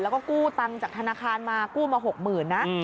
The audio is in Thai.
แล้วก็กู้ตังค์จากธนาคารมากู้มา๖๐๐๐นะ